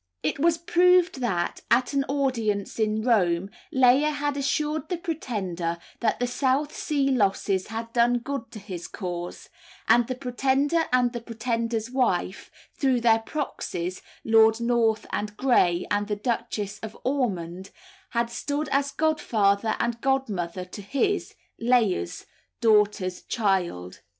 It was proved that, at an audience in Rome, Layer had assured the Pretender that the South Sea losses had done good to his cause; and the Pretender and the Pretender's wife (through their proxies, Lord North and Grey, and the Duchess of Ormond) had stood as godfather and godmother to his (Layer's) daughter's child.